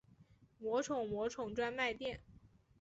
魔宠魔宠专卖店